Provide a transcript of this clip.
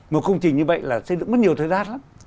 một công trình như vậy là sẽ đứng mất nhiều thời gian lắm